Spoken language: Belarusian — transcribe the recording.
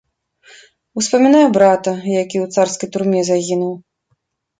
Успамінаю брата, які ў царскай турме загінуў.